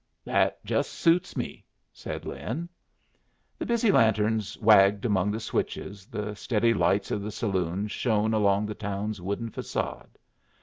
"That just suits me," said Lin. The busy lanterns wagged among the switches, the steady lights of the saloons shone along the town's wooden facade.